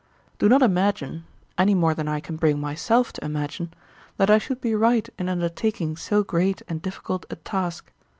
Do not imagine, any more than I can bring myself to imagine, that I should be right in undertaking so great and difficult a task.